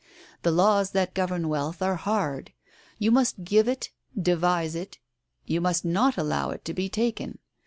The laws that govern wealth are hard. You must give it, devise it, you must not allow it to be taken.